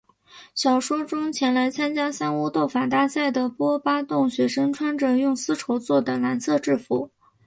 小说中前来参加三巫斗法大赛的波巴洞学生穿着用丝绸作的蓝色制服。